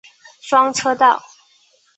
双车道。